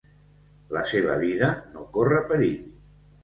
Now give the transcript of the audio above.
La seva vida no corre perill.